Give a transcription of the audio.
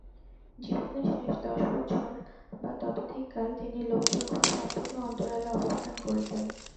জীবনের শেষ দশ বৎসর বা ততোধিক কাল তিনি লোকচক্ষুর সম্পূর্ণ অন্তরালে অবস্থান করিতেন।